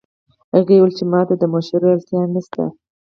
هغې وویل چې ما ته د مشورې اړتیا نه شته